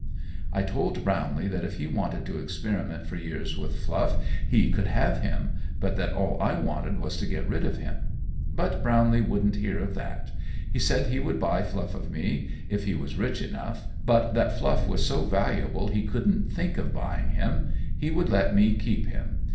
I told Brownlee that if he wanted to experiment for years with Fluff he could have him, but that all I wanted was to get rid of him; but Brownlee wouldn't hear of that. He said he would buy Fluff of me if he was rich enough, but that Fluff was so valuable he couldn't think of buying him. He would let me keep him.